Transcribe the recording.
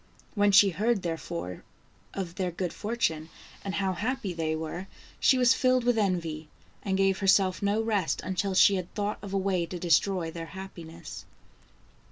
When she heard, therefore, of their good fortune, and how happy they were, she was filled with envy, and gave herself no rest until she had thought of a way to destroy their happiness.